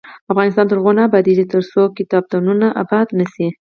افغانستان تر هغو نه ابادیږي، ترڅو کتابتونونه اباد نشي.